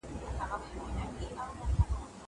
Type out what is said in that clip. زه مخکي سبزېجات جمع کړي وو.